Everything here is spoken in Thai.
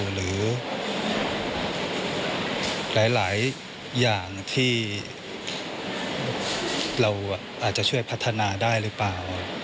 หรือหลายอย่างที่เราอาจจะช่วยพัฒนาได้หรือเปล่า